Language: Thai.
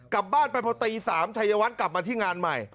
กลับบ้านไปพอตี๓ชัยวัฒน์กลับมาที่งานใหม่